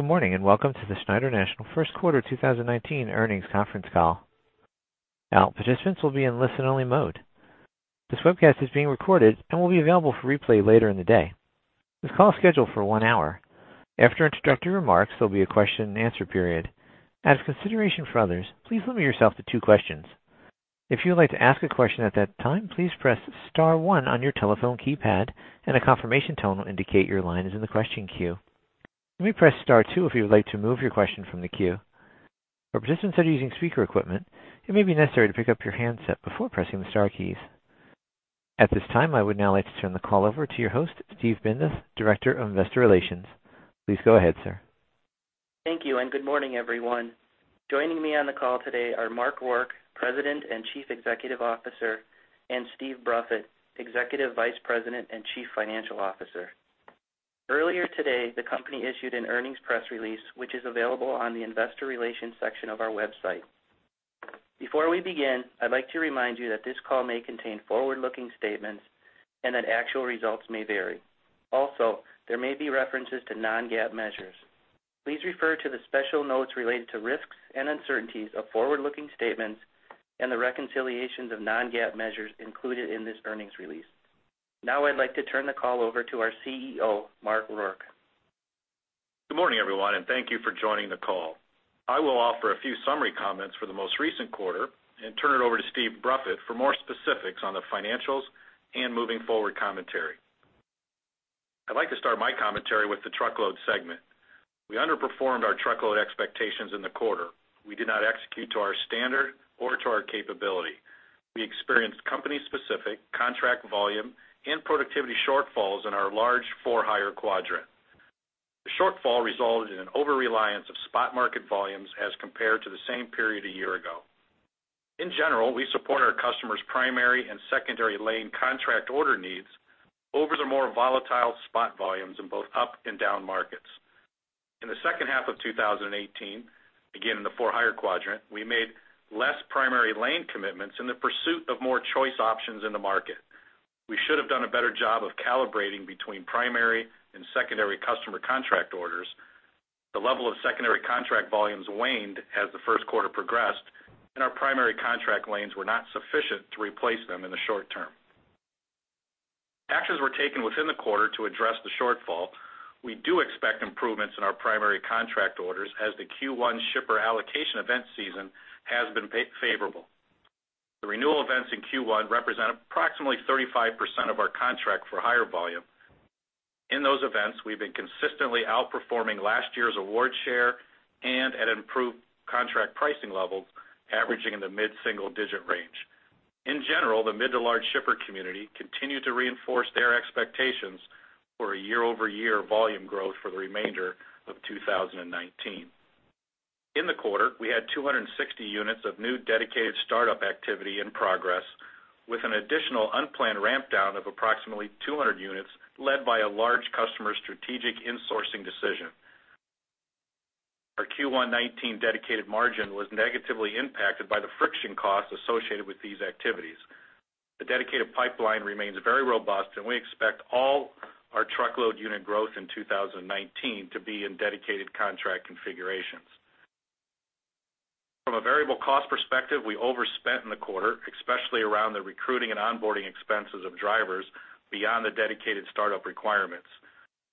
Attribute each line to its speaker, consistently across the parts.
Speaker 1: Good morning, and welcome to the Schneider National First Quarter 2019 Earnings Conference Call. Now, participants will be in listen-only mode. This webcast is being recorded and will be available for replay later in the day. This call is scheduled for one hour. After introductory remarks, there'll be a question-and-answer period. As consideration for others, please limit yourself to two questions. If you would like to ask a question at that time, please press star one on your telephone keypad, and a confirmation tone will indicate your line is in the question queue. You may press star two if you would like to remove your question from the queue. For participants that are using speaker equipment, it may be necessary to pick up your handset before pressing the star keys. At this time, I would now like to turn the call over to your host, Steve Bindas, Director of Investor Relations. Please go ahead, sir.
Speaker 2: Thank you, and good morning, everyone. Joining me on the call today are Mark Rourke, President and Chief Executive Officer, and Steve Bruffett, Executive Vice President and Chief Financial Officer. Earlier today, the company issued an earnings press release, which is available on the Investor Relations section of our website. Before we begin, I'd like to remind you that this call may contain forward-looking statements and that actual results may vary. Also, there may be references to non-GAAP measures. Please refer to the special notes related to risks and uncertainties of forward-looking statements and the reconciliations of non-GAAP measures included in this earnings release. Now I'd like to turn the call over to our CEO, Mark Rourke.
Speaker 3: Good morning, everyone, and thank you for joining the call. I will offer a few summary comments for the most recent quarter and turn it over to Steve Bruffett for more specifics on the financials and moving forward commentary. I'd like to start my commentary with the Truckload segment. We underperformed our truckload expectations in the quarter. We did not execute to our standard or to our capability. We experienced company-specific contract volume and productivity shortfalls in our large for-hire quadrant. The shortfall resulted in an overreliance of spot market volumes as compared to the same period a year ago. In general, we support our customers' primary and secondary lane contract order needs over the more volatile spot volumes in both up and down markets. In the second half of 2018, again, in the for-hire quadrant, we made less primary lane commitments in the pursuit of more choice options in the market. We should have done a better job of calibrating between primary and secondary customer contract orders. The level of secondary contract volumes waned as the first quarter progressed, and our primary contract lanes were not sufficient to replace them in the short term. Actions were taken within the quarter to address the shortfall. We do expect improvements in our primary contract orders as the Q1 shipper allocation event season has been favorable. The renewal events in Q1 represent approximately 35% of our contract for-hire volume. In those events, we've been consistently outperforming last year's award share and at improved contract pricing levels, averaging in the mid-single-digit range. In general, the mid to large shipper community continued to reinforce their expectations for a year-over-year volume growth for the remainder of 2019. In the quarter, we had 260 units of new dedicated startup activity in progress, with an additional unplanned ramp down of approximately 200 units, led by a large customer strategic insourcing decision. Our Q1 2019 dedicated margin was negatively impacted by the friction costs associated with these activities. The dedicated pipeline remains very robust, and we expect all our truckload unit growth in 2019 to be in dedicated contract configurations. From a variable cost perspective, we overspent in the quarter, especially around the recruiting and onboarding expenses of drivers beyond the dedicated startup requirements.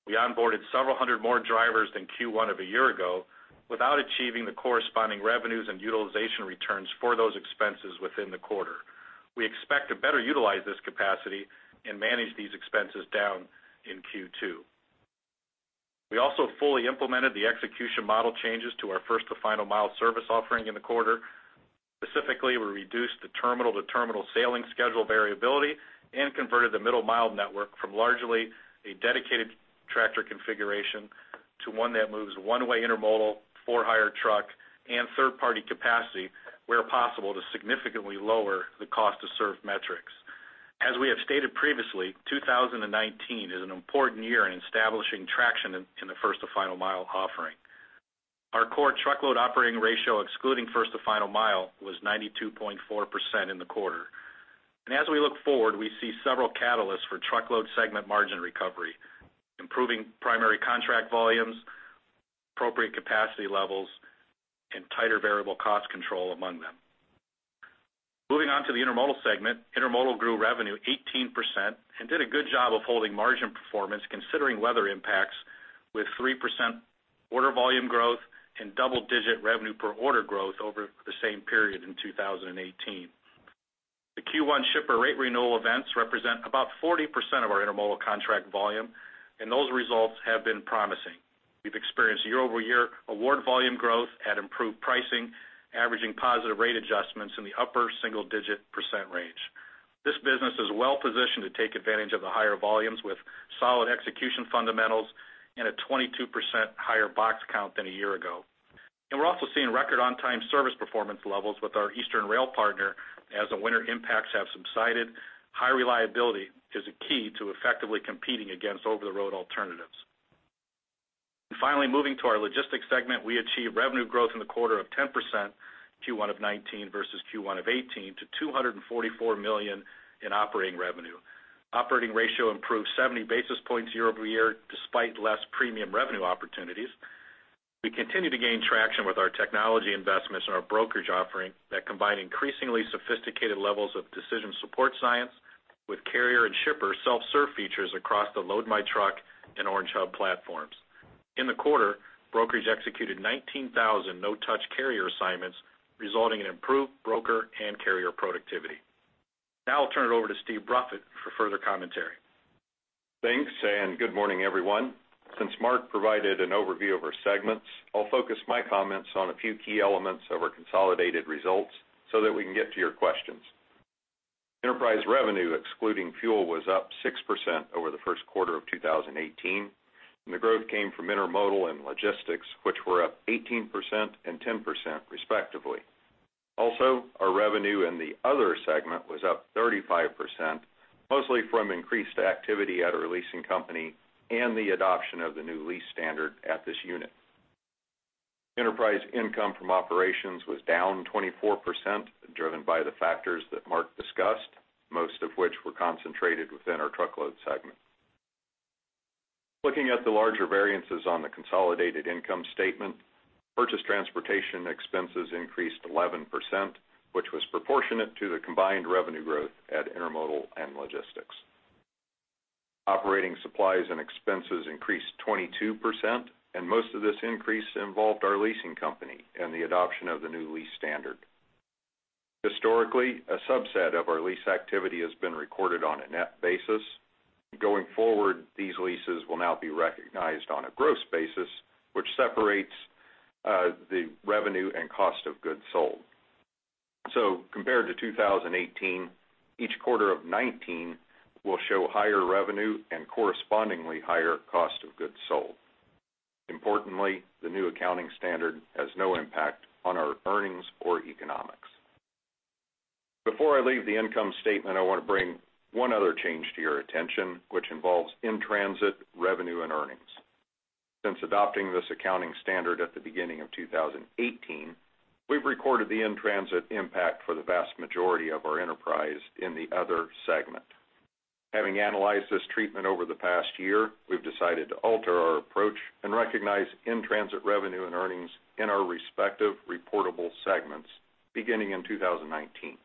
Speaker 3: We onboarded several hundred more drivers than Q1 of a year ago without achieving the corresponding revenues and utilization returns for those expenses within the quarter. We expect to better utilize this capacity and manage these expenses down in Q2. We also fully implemented the execution model changes to our First to Final Mile service offering in the quarter. Specifically, we reduced the terminal-to-terminal sailing schedule variability and converted the middle-mile network from largely a dedicated tractor configuration to one that moves one-way intermodal, for-hire truck, and third-party capacity, where possible, to significantly lower the cost to serve metrics. As we have stated previously, 2019 is an important year in establishing traction in the First to Final Mile offering. Our core truckload operating ratio, excluding First to Final Mile, was 92.4% in the quarter. As we look forward, we see several catalysts for truckload segment margin recovery, improving primary contract volumes, appropriate capacity levels, and tighter variable cost control among them. Moving on to the Intermodal segment. Intermodal grew revenue 18% and did a good job of holding margin performance, considering weather impacts, with 3% order volume growth and double-digit revenue per order growth over the same period in 2018. The Q1 shipper rate renewal events represent about 40% of our intermodal contract volume, and those results have been promising. We've experienced year-over-year award volume growth at improved pricing, averaging positive rate adjustments in the upper single-digit percentage range. This business is well-positioned to take advantage of the higher volumes with solid execution fundamentals and a 22% higher box count than a year ago. We're also seeing record on-time service performance levels with our Eastern rail partner as the winter impacts have subsided. High reliability is a key to effectively competing against over-the-road alternatives. Finally, moving to our Logistics segment, we achieved revenue growth in the quarter of 10% Q1 of 2019 versus Q1 of 2018 to $244 million in operating revenue. Operating ratio improved 70 basis points year-over-year, despite less premium revenue opportunities. We continue to gain traction with our technology investments and our brokerage offering that combine increasingly sophisticated levels of decision support science with carrier and shipper self-serve features across the Load My Truck and Orange Hub platforms. In the quarter, brokerage executed 19,000 no-touch carrier assignments, resulting in improved broker and carrier productivity. Now I'll turn it over to Steve Bruffett for further commentary.
Speaker 4: Thanks, and good morning, everyone. Since Mark provided an overview of our segments, I'll focus my comments on a few key elements of our consolidated results so that we can get to your questions. Enterprise revenue, excluding fuel, was up 6% over the first quarter of 2018, and the growth came from Intermodal and Logistics, which were up 18% and 10%, respectively. Also, our revenue in the Other segment was up 35%, mostly from increased activity at a leasing company and the adoption of the new lease standard at this unit. Enterprise income from operations was down 24%, driven by the factors that Mark discussed, most of which were concentrated within our Truckload segment. Looking at the larger variances on the consolidated income statement, purchased transportation expenses increased 11%, which was proportionate to the combined revenue growth at Intermodal and Logistics. Operating supplies and expenses increased 22%, and most of this increase involved our leasing company and the adoption of the new lease standard. Historically, a subset of our lease activity has been recorded on a net basis. Going forward, these leases will now be recognized on a gross basis, which separates the revenue and cost of goods sold. So compared to 2018, each quarter of 2019 will show higher revenue and correspondingly higher cost of goods sold. Importantly, the new accounting standard has no impact on our earnings or economics. Before I leave the income statement, I want to bring one other change to your attention, which involves in-transit revenue and earnings. Since adopting this accounting standard at the beginning of 2018, we've recorded the in-transit impact for the vast majority of our enterprise in the Other segment. Having analyzed this treatment over the past year, we've decided to alter our approach and recognize in-transit revenue and earnings in our respective reportable segments beginning in 2019.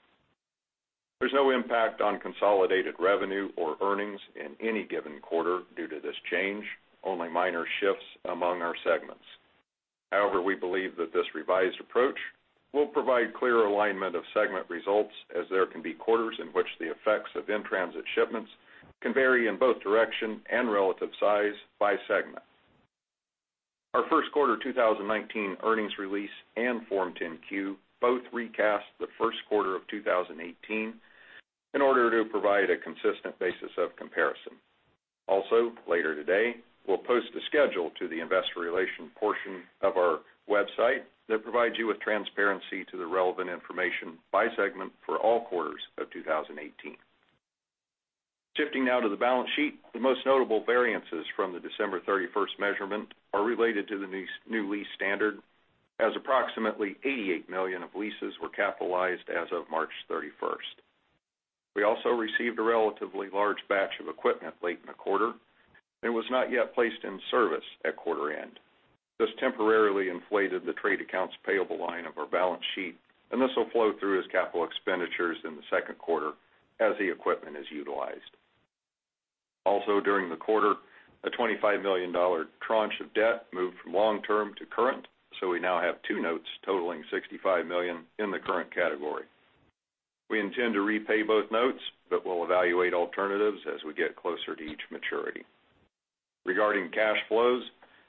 Speaker 4: There's no impact on consolidated revenue or earnings in any given quarter due to this change, only minor shifts among our segments. However, we believe that this revised approach will provide clear alignment of segment results, as there can be quarters in which the effects of in-transit shipments can vary in both direction and relative size by segment. Our first quarter 2019 earnings release and Form 10-Q both recast the first quarter of 2018 in order to provide a consistent basis of comparison. Also, later today, we'll post a schedule to the Investor Relations portion of our website that provides you with transparency to the relevant information by segment for all quarters of 2018. Shifting now to the balance sheet. The most notable variances from the December 31 measurement are related to the new lease standard, as approximately $88 million of leases were capitalized as of March 31. We also received a relatively large batch of equipment late in the quarter, and was not yet placed in service at quarter end. This temporarily inflated the trade accounts payable line of our balance sheet, and this will flow through as capital expenditures in the second quarter as the equipment is utilized. Also, during the quarter, a $25 million tranche of debt moved from long-term to current, so we now have two notes totaling $65 million in the current category. We intend to repay both notes, but we'll evaluate alternatives as we get closer to each maturity. Regarding cash flows,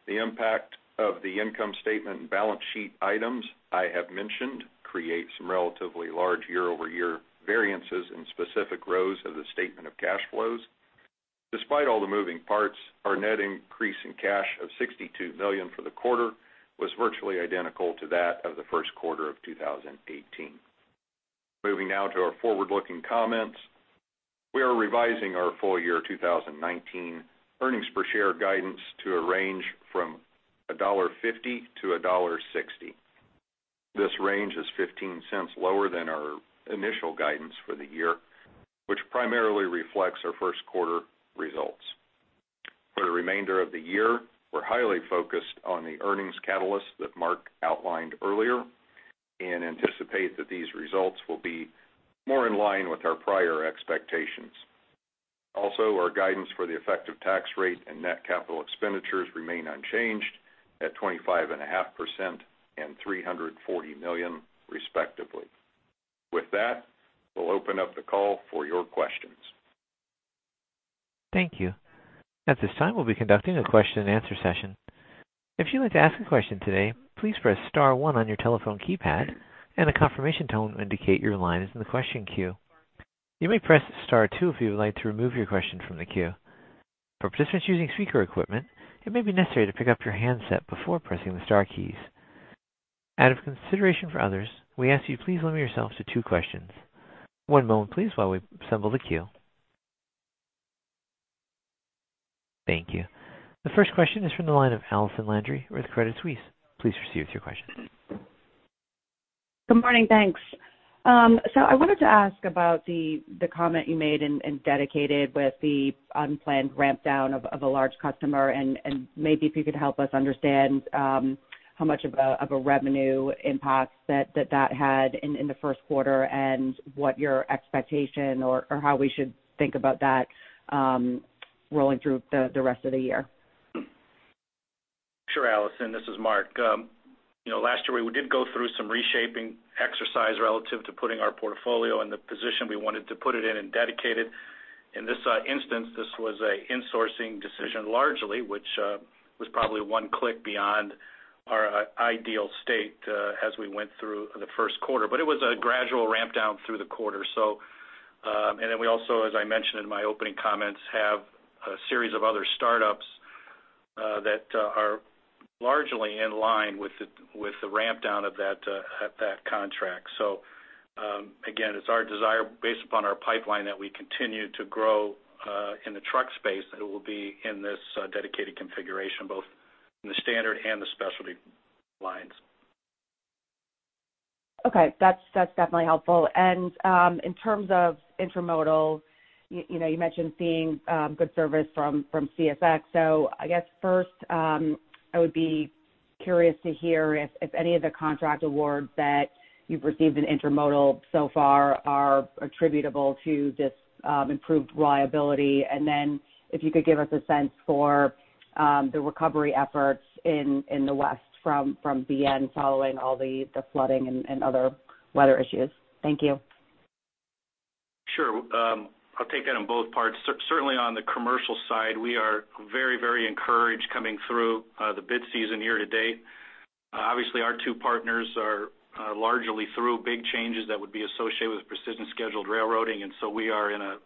Speaker 4: the impact of the income statement and balance sheet items I have mentioned create some relatively large year-over-year variances in specific rows of the statement of cash flows. Despite all the moving parts, our net increase in cash of $62 million for the quarter was virtually identical to that of the first quarter of 2018. Moving now to our forward-looking comments. We are revising our full year 2019 earnings per share guidance to a range from $1.50 to $1.60. This range is $0.15 lower than our initial guidance for the year, which primarily reflects our first quarter results. For the remainder of the year, we're highly focused on the earnings catalysts that Mark outlined earlier and anticipate that these results will be more in line with our prior expectations. Also, our guidance for the effective tax rate and net capital expenditures remain unchanged at 25.5% and $340 million, respectively. With that, we'll open up the call for your questions.
Speaker 1: Thank you. At this time, we'll be conducting a question-and-answer session. If you'd like to ask a question today, please press star one on your telephone keypad, and a confirmation tone will indicate your line is in the question queue. You may press star two if you would like to remove your question from the queue. For participants using speaker equipment, it may be necessary to pick up your handset before pressing the star keys. Out of consideration for others, we ask you please limit yourselves to two questions. One moment, please, while we assemble the queue. Thank you. The first question is from the line of Allison Landry with Credit Suisse. Please proceed with your question.
Speaker 5: Good morning, thanks. So I wanted to ask about the comment you made in Dedicated with the unplanned ramp down of a large customer, and maybe if you could help us understand how much of a revenue impact that had in the first quarter, and what your expectation or how we should think about that rolling through the rest of the year?
Speaker 3: Sure, Allison, this is Mark. You know, last year, we did go through some reshaping exercise relative to putting our portfolio in the position we wanted to put it in and dedicated. In this instance, this was an insourcing decision largely, which was probably one click beyond our ideal state as we went through the first quarter. But it was a gradual ramp down through the quarter. So, and then we also, as I mentioned in my opening comments, have a series of other startups that are largely in line with the, with the ramp down of that at that contract. So, again, it's our desire, based upon our pipeline, that we continue to grow in the truck space, and it will be in this dedicated configuration, both in the standard and the specialty lines.
Speaker 5: Okay. That's definitely helpful. In terms of intermodal, you know, you mentioned seeing good service from CSX. So I guess first, I would be curious to hear if any of the contract awards that you've received in intermodal so far are attributable to this improved reliability. And then if you could give us a sense for the recovery efforts in the west from BN following all the flooding and other weather issues. Thank you.
Speaker 3: Sure, I'll take that on both parts. Certainly, on the commercial side, we are very, very encouraged coming through the bid season year to date. Obviously, our two partners are largely through big changes that would be associated with Precision Scheduled Railroading, and so we are in a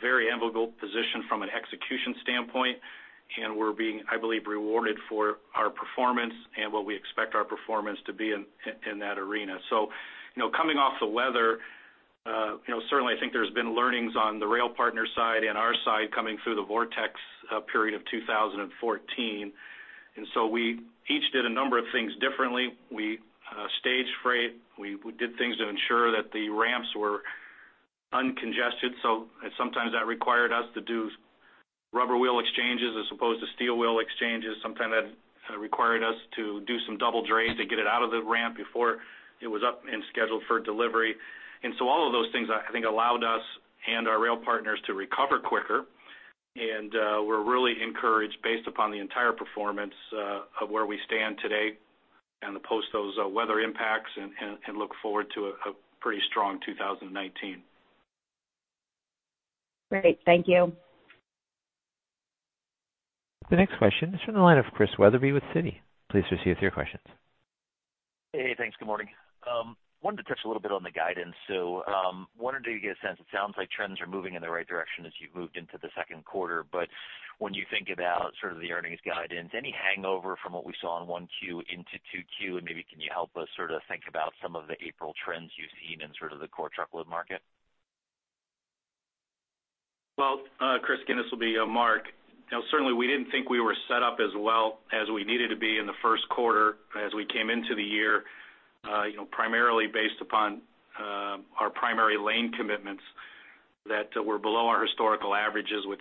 Speaker 3: very enviable position from an execution standpoint, and we're being, I believe, rewarded for our performance and what we expect our performance to be in that arena. So, you know, coming off the weather, you know, certainly, I think there's been learnings on the rail partner side and our side coming through the vortex period of 2014. And so we each did a number of things differently. We staged freight, we did things to ensure that the ramps were uncongested. So sometimes that required us to do rubber wheel exchanges as opposed to steel wheel exchanges. Sometimes that required us to do some double drayage to get it out of the ramp before it was up and scheduled for delivery. And so all of those things, I think, allowed us and our rail partners to recover quicker, and we're really encouraged based upon the entire performance of where we stand today and post those weather impacts and look forward to a pretty strong 2019.
Speaker 5: Great. Thank you.
Speaker 1: The next question is from the line of Chris Wetherbee with Citi. Please proceed with your questions.
Speaker 6: Hey, thanks. Good morning. Wanted to touch a little bit on the guidance. So, wanted to get a sense, it sounds like trends are moving in the right direction as you've moved into the second quarter. But when you think about sort of the earnings guidance, any hangover from what we saw in Q1 into Q2? And maybe can you help us sort of think about some of the April trends you've seen in sort of the core truckload market?
Speaker 3: Well, Chris, again, this will be, Mark. You know, certainly, we didn't think we were set up as well as we needed to be in the first quarter as we came into the year, you know, primarily based upon, our primary lane commitments that were below our historical averages, which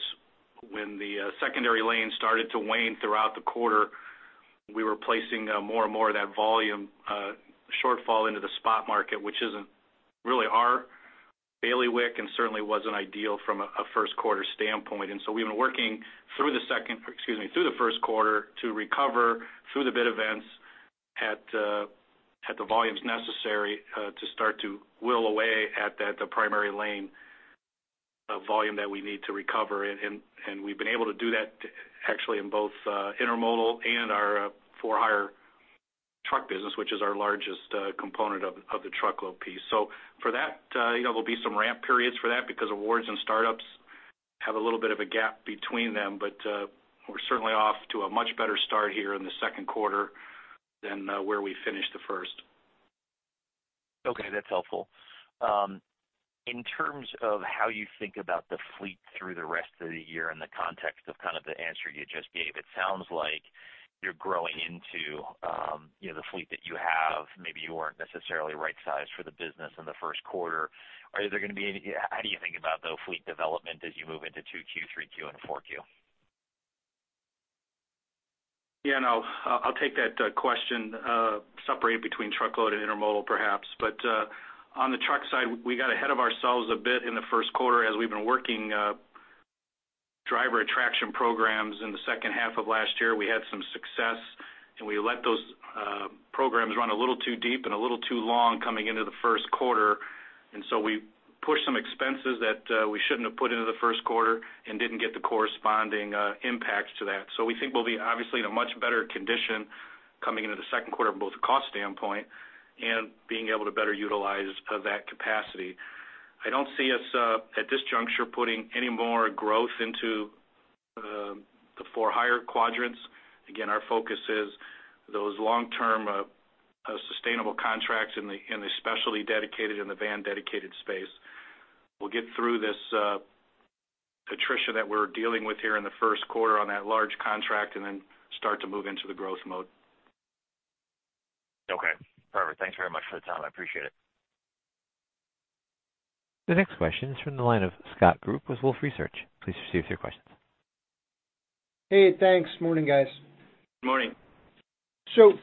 Speaker 3: when the secondary lanes started to wane throughout the quarter, we were placing more and more of that volume shortfall into the spot market, which isn't really our bailiwick, and certainly wasn't ideal from a first quarter standpoint. And so we've been working through the second, excuse me, through the first quarter to recover through the bid events at the volumes necessary to start to whittle away at that, the primary lane of volume that we need to recover. We've been able to do that actually in both intermodal and our for-hire truck business, which is our largest component of the truckload piece. So for that, you know, there'll be some ramp periods for that because awards and startups have a little bit of a gap between them. But we're certainly off to a much better start here in the second quarter than where we finished the first.
Speaker 6: Okay, that's helpful. In terms of how you think about the fleet through the rest of the year in the context of kind of the answer you just gave, it sounds like you're growing into, you know, the fleet that you have, maybe you weren't necessarily right sized for the business in the first quarter. Are there gonna be any... How do you think about the fleet development as you move into Q2, Q3, and Q4?
Speaker 3: Yeah, no, I'll take that question separate between truckload and intermodal, perhaps. But on the truck side, we got ahead of ourselves a bit in the first quarter. As we've been working driver attraction programs in the second half of last year, we had some success, and we let those programs run a little too deep and a little too long coming into the first quarter. And so we pushed some expenses that we shouldn't have put into the first quarter and didn't get the corresponding impacts to that. So we think we'll be obviously in a much better condition coming into the second quarter, both cost standpoint and being able to better utilize that capacity. I don't see us at this juncture putting any more growth into the for-hire quadrants. Again, our focus is those long-term, sustainable contracts in the specialty dedicated and the van dedicated space... We'll get through this, attrition, that we're dealing with here in the first quarter on that large contract, and then start to move into the growth mode.
Speaker 6: Okay, perfect. Thanks very much for the time. I appreciate it.
Speaker 1: The next question is from the line of Scott Group with Wolfe Research. Please proceed with your questions.
Speaker 7: Hey, thanks. Morning, guys.
Speaker 3: Morning.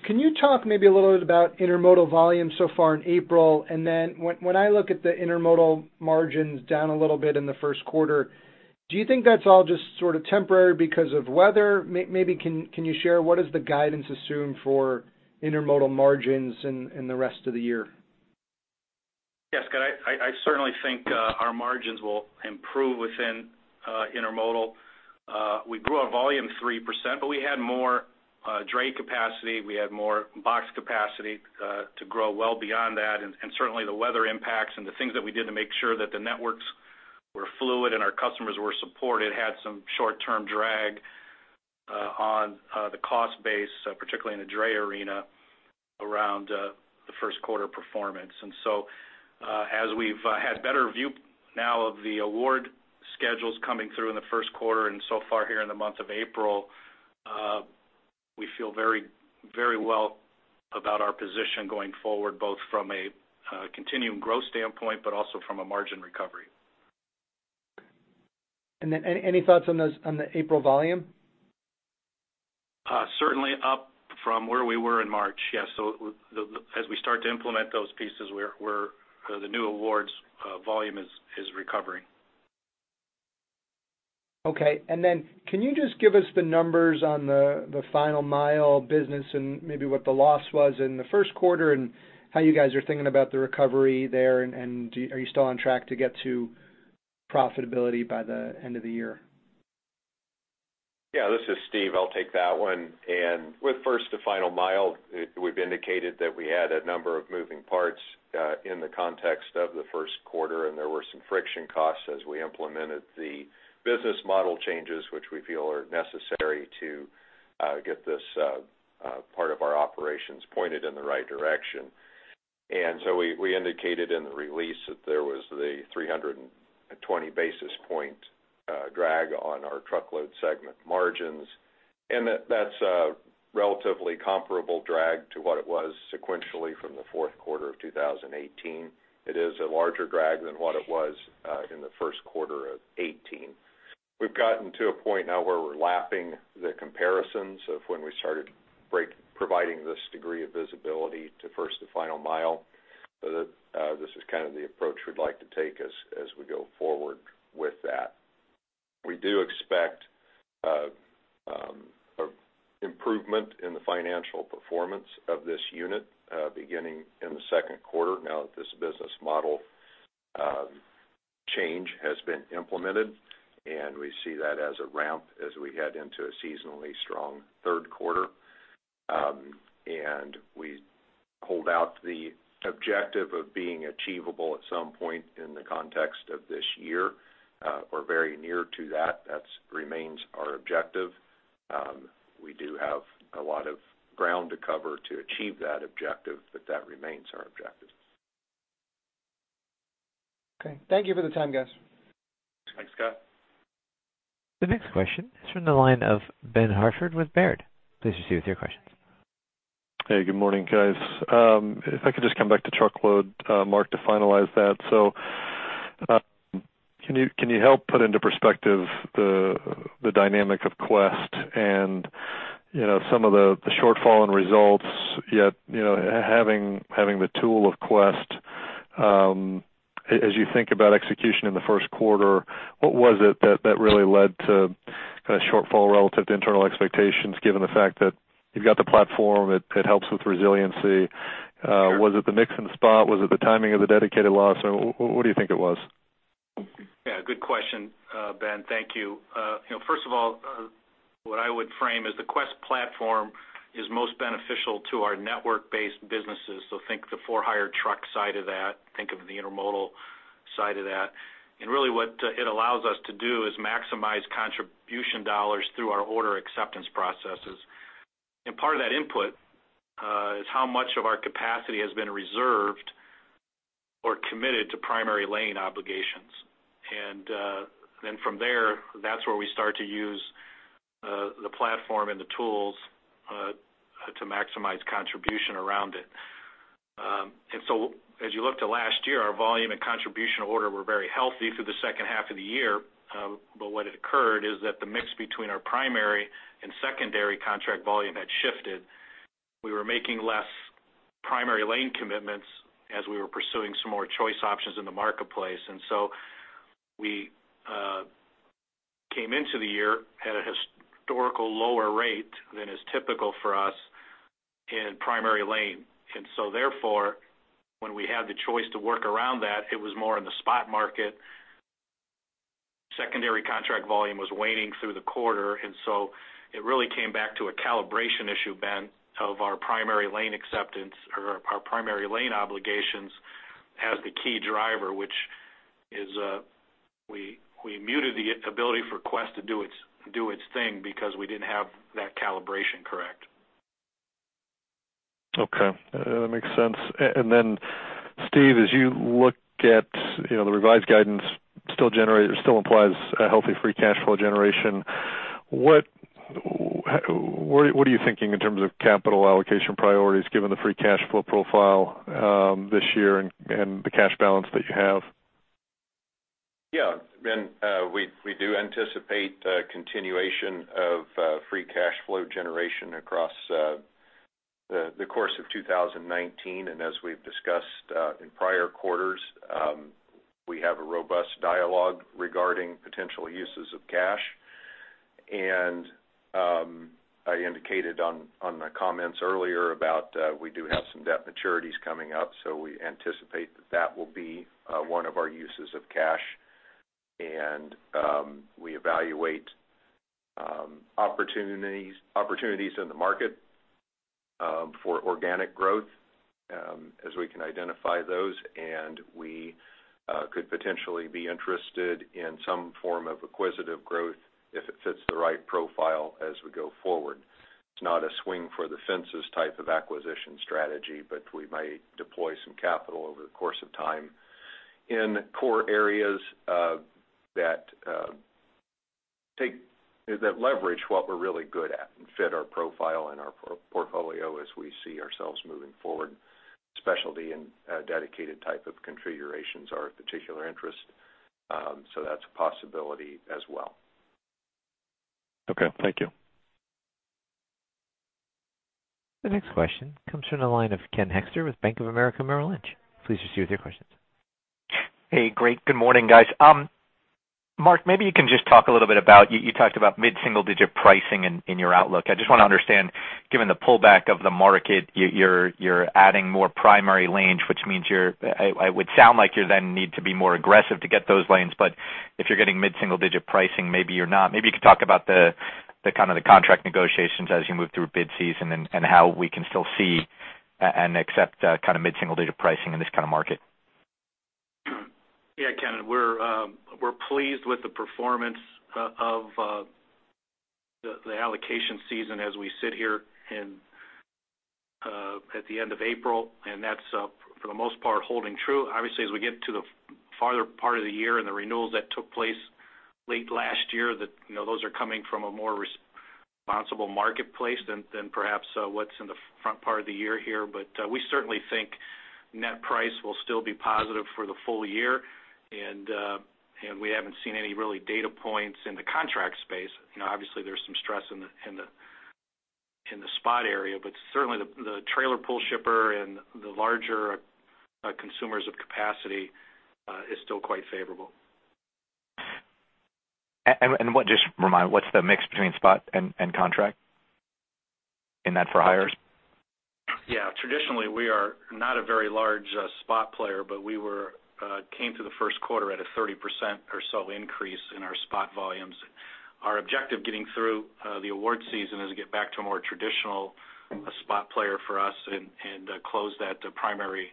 Speaker 7: Can you talk maybe a little bit about intermodal volume so far in April? And then when I look at the intermodal margins down a little bit in the first quarter, do you think that's all just sort of temporary because of weather? Maybe can you share what does the guidance assume for intermodal margins in the rest of the year?
Speaker 3: Yes, Scott, I certainly think our margins will improve within intermodal. We grew our volume 3%, but we had more dray capacity, we had more box capacity to grow well beyond that. And certainly, the weather impacts and the things that we did to make sure that the networks were fluid and our customers were supported had some short-term drag on the cost base, particularly in the dray arena, around the first quarter performance. And so, as we've had better view now of the award schedules coming through in the first quarter and so far here in the month of April, we feel very, very well about our position going forward, both from a continuing growth standpoint, but also from a margin recovery.
Speaker 7: And then any thoughts on those, on the April volume?
Speaker 3: Certainly up from where we were in March. Yes, so as we start to implement those pieces, where the new awards volume is recovering.
Speaker 7: Okay. Then, can you just give us the numbers on the final mile business and maybe what the loss was in the first quarter, and how you guys are thinking about the recovery there, and do... Are you still on track to get to profitability by the end of the year?
Speaker 4: Yeah, this is Steve. I'll take that one. And with First to Final Mile, we've indicated that we had a number of moving parts, in the context of the first quarter, and there were some friction costs as we implemented the business model changes, which we feel are necessary to, get this, part of our operations pointed in the right direction. And so we, we indicated in the release that there was the 320 basis point, drag on our truckload segment margins, and that that's a relatively comparable drag to what it was sequentially from the fourth quarter of 2018. It is a larger drag than what it was, in the first quarter of 2018. We've gotten to a point now where we're lapping the comparisons of when we started providing this degree of visibility to first and final mile. This is kind of the approach we'd like to take as we go forward with that. We do expect improvement in the financial performance of this unit, beginning in the second quarter now that this business model change has been implemented, and we see that as a ramp as we head into a seasonally strong third quarter. We hold out the objective of being achievable at some point in the context of this year, or very near to that. That remains our objective. We do have a lot of ground to cover to achieve that objective, but that remains our objective.
Speaker 7: Okay. Thank you for the time, guys.
Speaker 4: Thanks, Scott.
Speaker 1: The next question is from the line of Ben Hartford with Baird. Please proceed with your questions.
Speaker 8: Hey, good morning, guys. If I could just come back to truckload, Mark, to finalize that. So, can you help put into perspective the dynamic of Quest and, you know, some of the shortfall in results, yet, you know, having the tool of Quest, as you think about execution in the first quarter, what was it that really led to kind of shortfall relative to internal expectations, given the fact that you've got the platform, it helps with resiliency? Was it the mix in the spot? Was it the timing of the dedicated loss? Or what do you think it was?
Speaker 3: Yeah, good question, Ben. Thank you. You know, first of all, what I would frame is the Quest platform is most beneficial to our network-based businesses. So think the for-hire truck side of that, think of the intermodal side of that. And really, what it allows us to do is maximize contribution dollars through our order acceptance processes. And part of that input is how much of our capacity has been reserved or committed to primary lane obligations. And then from there, that's where we start to use the platform and the tools to maximize contribution around it. And so as you look to last year, our volume and contribution order were very healthy through the second half of the year. But what had occurred is that the mix between our primary and secondary contract volume had shifted. We were making less primary lane commitments as we were pursuing some more choice options in the marketplace. And so we came into the year at a historical lower rate than is typical for us in primary lane. And so therefore, when we had the choice to work around that, it was more in the spot market. Secondary contract volume was waning through the quarter, and so it really came back to a calibration issue, Ben, of our primary lane acceptance or our primary lane obligations as the key driver, which is we muted the ability for Quest to do its thing because we didn't have that calibration correct....
Speaker 8: Okay, that makes sense. And then, Steve, as you look at, you know, the revised guidance, still applies a healthy free cash flow generation, what are you thinking in terms of capital allocation priorities, given the free cash flow profile, this year and the cash balance that you have?
Speaker 4: Yeah, and we do anticipate a continuation of free cash flow generation across the course of 2019. And as we've discussed in prior quarters, we have a robust dialogue regarding potential uses of cash. And I indicated on the comments earlier about we do have some debt maturities coming up, so we anticipate that will be one of our uses of cash. And we evaluate opportunities in the market for organic growth as we can identify those, and we could potentially be interested in some form of acquisitive growth, if it fits the right profile as we go forward. It's not a swing for the fences type of acquisition strategy, but we might deploy some capital over the course of time in core areas that leverage what we're really good at, and fit our profile and our portfolio as we see ourselves moving forward. Specialty and dedicated type of configurations are of particular interest, so that's a possibility as well.
Speaker 8: Okay, thank you.
Speaker 1: The next question comes from the line of Ken Hoexter with Bank of America Merrill Lynch. Please proceed with your questions.
Speaker 9: Hey, great. Good morning, guys. Mark, maybe you can just talk a little bit about, you talked about mid-single digit pricing in your outlook. I just want to understand, given the pullback of the market, you're adding more primary lanes, which means it would sound like you then need to be more aggressive to get those lanes. But if you're getting mid-single digit pricing, maybe you're not. Maybe you could talk about the kind of the contract negotiations as you move through bid season, and how we can still see and accept kind of mid-single digit pricing in this kind of market.
Speaker 3: Yeah, Ken, we're, we're pleased with the performance of the allocation season as we sit here in at the end of April, and that's for the most part, holding true. Obviously, as we get to the farther part of the year and the renewals that took place late last year, that, you know, those are coming from a more responsible marketplace than perhaps what's in the front part of the year here. But, we certainly think net price will still be positive for the full year, and, and we haven't seen any really data points in the contract space. You know, obviously, there's some stress in the spot area, but certainly, the trailer pool shipper and the larger consumers of capacity is still quite favorable.
Speaker 9: And what, just remind me, what's the mix between spot and contract in that for-hire?
Speaker 3: Yeah. Traditionally, we are not a very large spot player, but we came to the first quarter at a 30% or so increase in our spot volumes. Our objective getting through the award season is to get back to a more traditional spot player for us and close that primary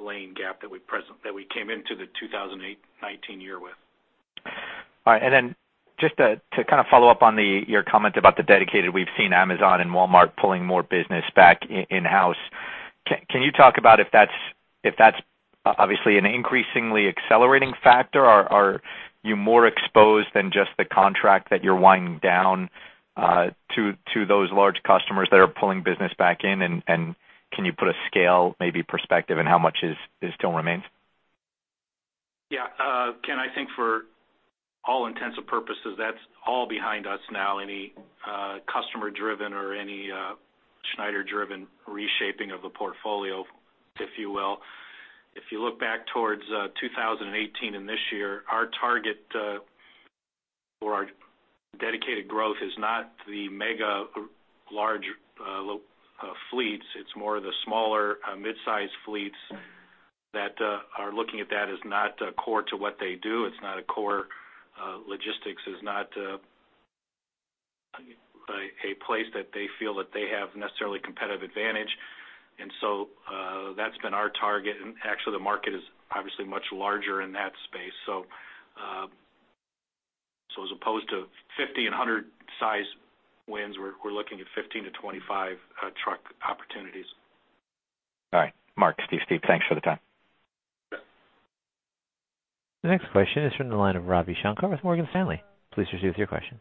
Speaker 3: lane gap that we present- that we came into the 2018-19 year with.
Speaker 9: All right. And then just to kind of follow up on your comment about the dedicated, we've seen Amazon and Walmart pulling more business back in-house. Can you talk about if that's obviously an increasingly accelerating factor? Are you more exposed than just the contract that you're winding down to those large customers that are pulling business back in, and can you put a scale, maybe perspective, on how much is still remains?
Speaker 3: Yeah, Ken, I think for all intents and purposes, that's all behind us now, any customer-driven or any Schneider-driven reshaping of the portfolio, if you will. If you look back towards 2018 and this year, our target for our dedicated growth is not the mega large fleets, it's more of the smaller mid-sized fleets that are looking at that as not core to what they do. It's not a core logistics, is not a place that they feel that they have necessarily competitive advantage, and so that's been our target. And actually, the market is obviously much larger in that space, so as opposed to 50 and 100 size wins, we're looking at 15-25 truck opportunities.
Speaker 9: All right. Mark, Steve, Steve, thanks for the time.
Speaker 1: The next question is from the line of Ravi Shanker with Morgan Stanley. Please proceed with your question.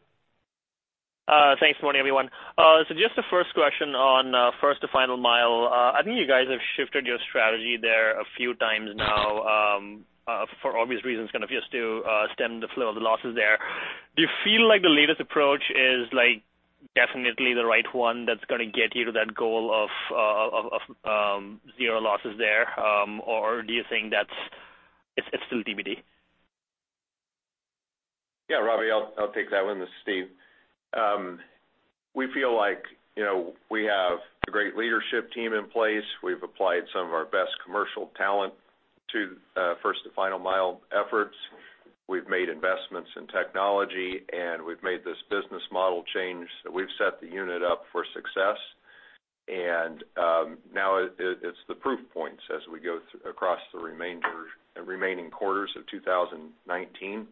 Speaker 10: Thanks. Good morning, everyone. So just the first question on First to Final Mile. I think you guys have shifted your strategy there a few times now, for obvious reasons, kind of just to stem the flow of the losses there. Do you feel like the latest approach is, like, definitely the right one, that's going to get you to that goal of zero losses there? Or do you think that it's still TBD?
Speaker 4: Yeah, Ravi, I'll take that one. This is Steve. We feel like, you know, we have a great leadership team in place. We've applied some of our best commercial talent to First to Final Mile efforts. We've made investments in technology, and we've made this business model change, so we've set the unit up for success. And now it, it's the proof as we go across the remaining quarters of 2019.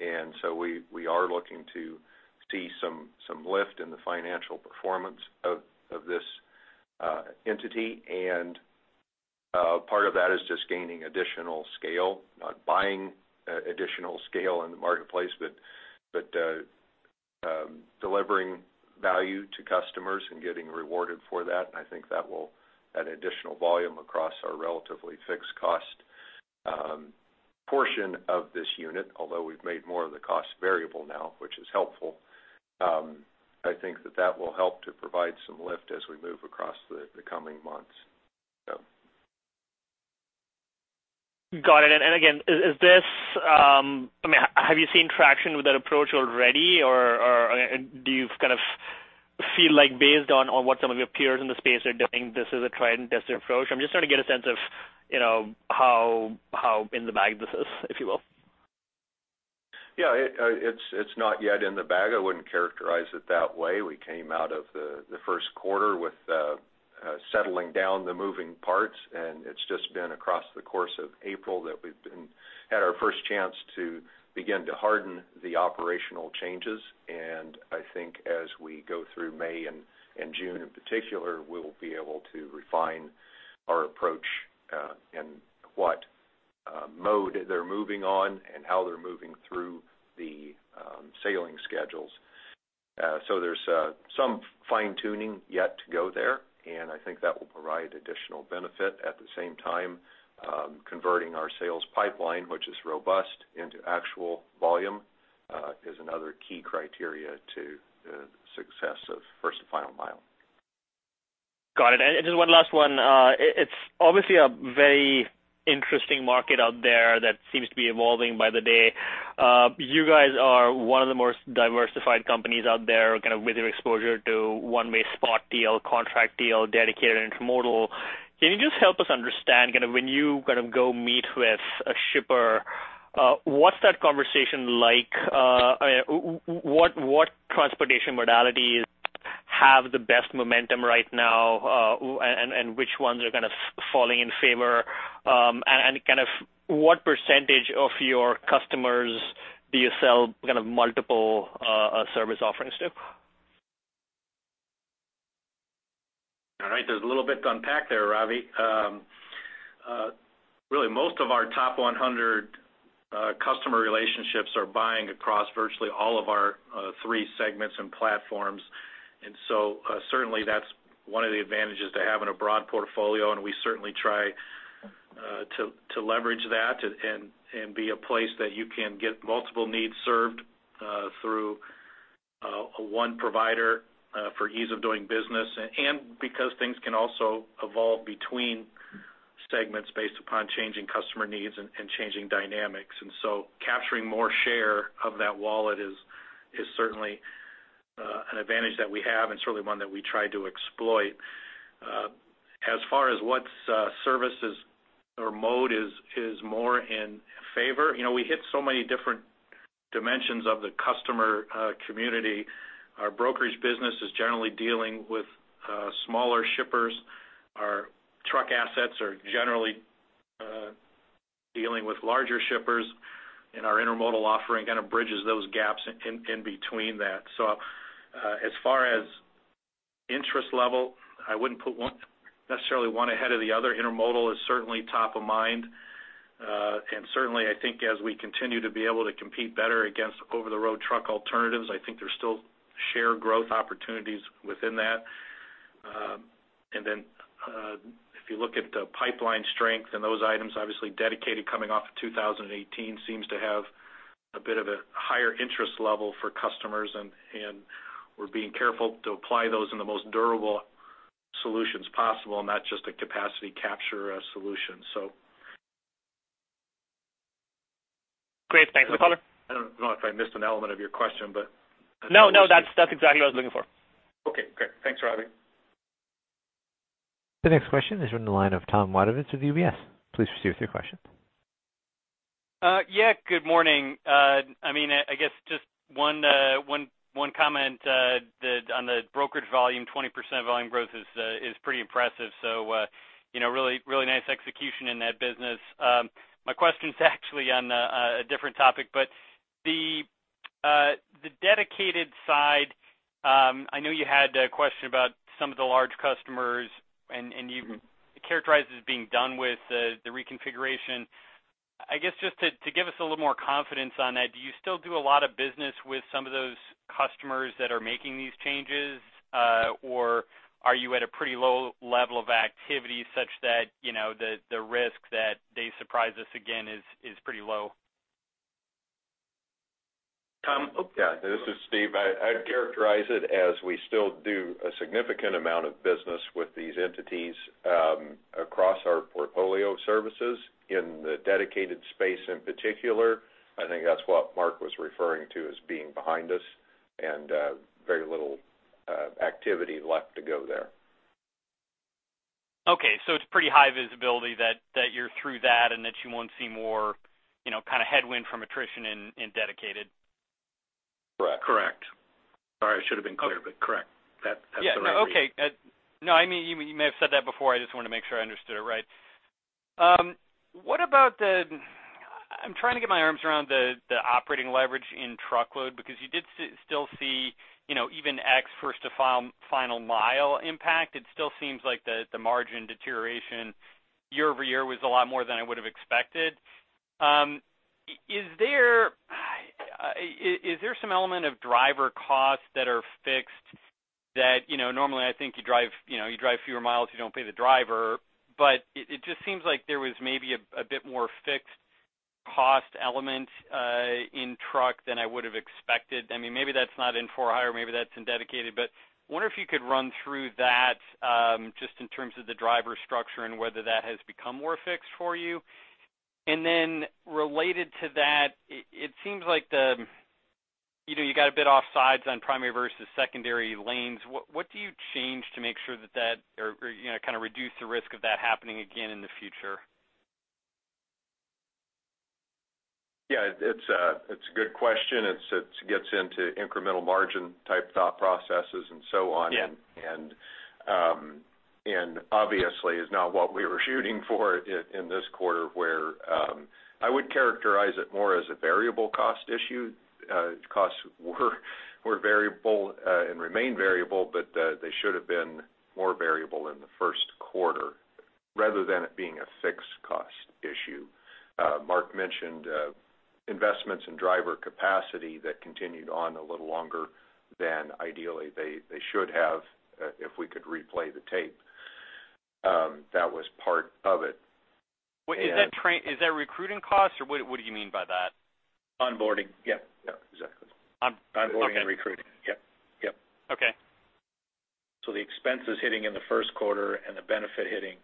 Speaker 4: And so we are looking to see some lift in the financial performance of this entity. And part of that is just gaining additional scale, not buying additional scale in the marketplace, but delivering value to customers and getting rewarded for that. I think that will add additional volume across our relatively fixed cost portion of this unit, although we've made more of the cost variable now, which is helpful. I think that will help to provide some lift as we move across the coming months, so.
Speaker 10: Got it. And again, is this, I mean, have you seen traction with that approach already? Or, and do you kind of feel like based on what some of your peers in the space are doing, this is a tried and tested approach? I'm just trying to get a sense of, you know, how in the bag this is, if you will.
Speaker 4: Yeah, it's not yet in the bag. I wouldn't characterize it that way. We came out of the first quarter with settling down the moving parts, and it's just been across the course of April that we've had our first chance to begin to harden the operational changes. And I think as we go through May and June, in particular, we will be able to refine our approach, and what mode they're moving on and how they're moving through the sailing schedules. So there's some fine tuning yet to go there, and I think that will provide additional benefit. At the same time, converting our sales pipeline, which is robust into actual volume, is another key criteria to the success of first and final mile.
Speaker 10: Got it. And just one last one. It's obviously a very interesting market out there that seems to be evolving by the day. You guys are one of the most diversified companies out there, kind of with your exposure to one way spot deal, contract deal, dedicated, and intermodal. Can you just help us understand, kind of when you kind of go meet with a shipper, what's that conversation like? What transportation modalities have the best momentum right now, and which ones are kind of falling in favor? And kind of what percentage of your customers do you sell kind of multiple service offerings to?
Speaker 3: All right, there's a little bit to unpack there, Ravi. Really, most of our top 100 customer relationships are buying across virtually all of our three segments and platforms. And so, certainly, that's one of the advantages to having a broad portfolio, and we certainly try to leverage that to be a place that you can get multiple needs served through one provider for ease of doing business, and because things can also evolve between segments based upon changing customer needs and changing dynamics. And so capturing more share of that wallet is certainly an advantage that we have, and certainly one that we try to exploit. As far as what's services or mode is more in favor, you know, we hit so many different dimensions of the customer community. Our Brokerage business is generally dealing with smaller shippers. Our truck assets are generally dealing with larger shippers, and our Intermodal offering kind of bridges those gaps in between that. So, as far as interest level, I wouldn't put one necessarily ahead of the other. Intermodal is certainly top of mind. And certainly, I think as we continue to be able to compete better against over-the-road truck alternatives, I think there's still share growth opportunities within that. And then, if you look at the pipeline strength and those items, obviously, Dedicated coming off of 2018 seems to have a bit of a higher interest level for customers, and we're being careful to apply those in the most durable solutions possible, not just a capacity capture solution, so.
Speaker 10: Great, thanks for the color.
Speaker 3: I don't know if I missed an element of your question, but-
Speaker 10: No, no, that's, that's exactly what I was looking for.
Speaker 3: Okay, great. Thanks, Ravi.
Speaker 1: The next question is from the line of Tom Wadewitz with UBS. Please proceed with your question.
Speaker 11: Yeah, good morning. I mean, I guess just one comment on the Brokerage volume, 20% volume growth is pretty impressive, so you know, really, really nice execution in that business. My question's actually on a different topic, but the Dedicated side, I know you had a question about some of the large customers, and you characterized it as being done with the reconfiguration. I guess, just to give us a little more confidence on that, do you still do a lot of business with some of those customers that are making these changes? Or are you at a pretty low level of activity such that, you know, the risk that they surprise us again is pretty low?
Speaker 4: Tom, yeah, this is Steve. I, I'd characterize it as we still do a significant amount of business with these entities, across our portfolio of services in the dedicated space, in particular. I think that's what Mark was referring to as being behind us, and very little activity left to go there.
Speaker 11: Okay, so it's pretty high visibility that you're through that, and that you won't see more, you know, kind of headwind from attrition in Dedicated? Yeah. No, okay. No, I mean, you may have said that before. I just want to make sure I understood it right. What about the—I'm trying to get my arms around the operating leverage in Truckload, because you did still see, you know, even ex First to Final Mile impact, it still seems like the margin deterioration year-over-year was a lot more than I would have expected. Is there some element of driver costs that are fixed that, you know, normally I think you drive, you know, you drive fewer miles, you don't pay the driver. But it just seems like there was maybe a bit more fixed cost element in truck than I would have expected. I mean, maybe that's not in for hire, maybe that's in dedicated. But I wonder if you could run through that just in terms of the driver structure and whether that has become more fixed for you? And then related to that, it seems like the, you know, you got a bit offsides on primary versus secondary lanes. What do you change to make sure that that, you know, kind of reduce the risk of that happening again in the future?
Speaker 4: Yeah, it's a good question. It gets into incremental margin type thought processes and so on.
Speaker 11: Yeah.
Speaker 4: Obviously, is not what we were shooting for in this quarter, where I would characterize it more as a variable cost issue. Costs were variable and remain variable, but they should have been more variable in the first quarter, rather than it being a fixed cost issue. Mark mentioned investments in driver capacity that continued on a little longer than ideally they should have, if we could replay the tape. That was part of it.
Speaker 11: Wait, is that recruiting costs, or what, what do you mean by that?
Speaker 4: Onboarding. Yep. Yep, exactly.
Speaker 11: On-
Speaker 4: Onboarding and recruiting.
Speaker 11: Okay.
Speaker 4: Yep, yep.
Speaker 11: Okay.
Speaker 4: So the expenses hitting in the first quarter and the benefit hitting,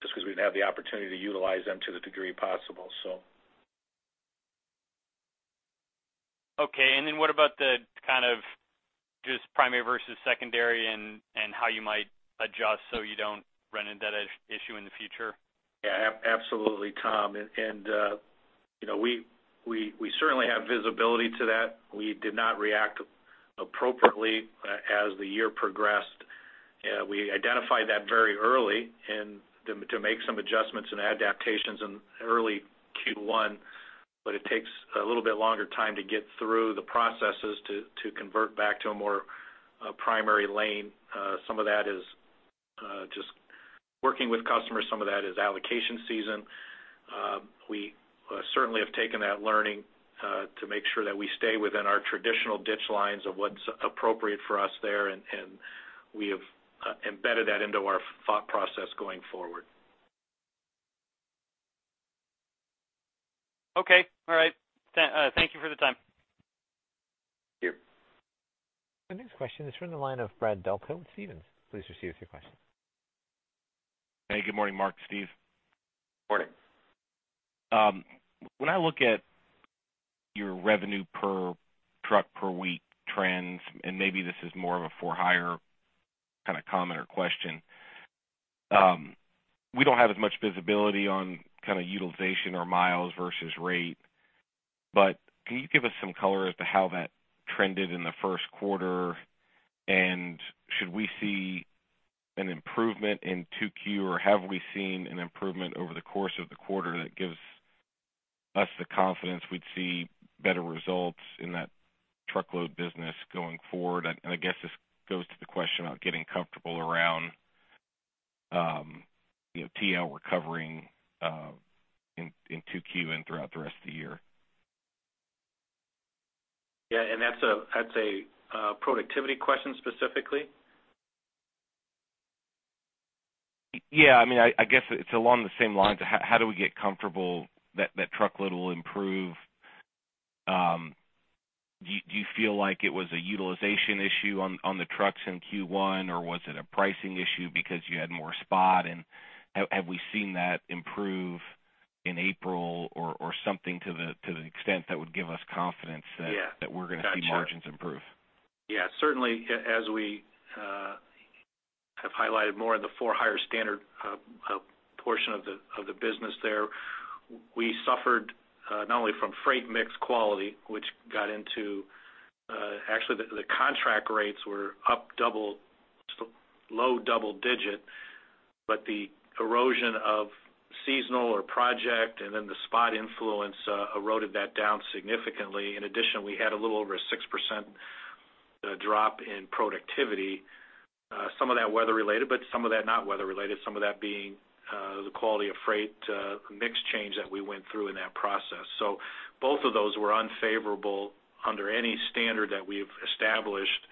Speaker 4: just because we didn't have the opportunity to utilize them to the degree possible, so.
Speaker 11: Okay. And then what about the kind of just primary versus secondary and, and how you might adjust so you don't run into that issue in the future?
Speaker 3: Yeah, absolutely, Tom. And, you know, we certainly have visibility to that. We did not react appropriately as the year progressed. We identified that very early, and to make some adjustments and adaptations in early Q1, but it takes a little bit longer time to get through the processes to convert back to a more primary lane. Some of that is just working with customers, some of that is allocation season. We certainly have taken that learning to make sure that we stay within our traditional ditch lines of what's appropriate for us there, and we have embedded that into our thought process going forward.
Speaker 12: Okay. All right. Thank you for the time.
Speaker 3: Thank you.
Speaker 1: The next question is from the line of Brad Delco with Stephens. Please proceed with your question.
Speaker 13: Hey, good morning, Mark, Steve.
Speaker 3: Morning.
Speaker 13: When I look at your revenue per truck per week trends, and maybe this is more of a for-hire kind of comment or question, we don't have as much visibility on kind of utilization or miles versus rate. But can you give us some color as to how that trended in the first quarter? And should we see an improvement in Q2, or have we seen an improvement over the course of the quarter that gives us the confidence we'd see better results in that truckload business going forward? And I guess this goes to the question about getting comfortable around, you know, TL recovering, in Q2 and throughout the rest of the year.
Speaker 3: Yeah, and that's a productivity question specifically?
Speaker 13: Yeah, I mean, I guess it's along the same lines. How do we get comfortable that truckload will improve? Do you feel like it was a utilization issue on the trucks in Q1, or was it a pricing issue because you had more spot? And have we seen that improve in April or something to the extent that would give us confidence that-
Speaker 3: Yeah.
Speaker 13: that we're going to see margins improve?
Speaker 3: Got you. Yeah, certainly as we have highlighted more of the for-hire standard portion of the business there, we suffered not only from freight mix quality, which got into... Actually, the contract rates were up low double-digit, but the erosion of seasonal or project, and then the spot influence eroded that down significantly. In addition, we had a little over a 6% drop in productivity. Some of that weather-related, but some of that not weather-related, some of that being the quality of freight mix change that we went through in that process. So both of those were unfavorable under any standard that we've established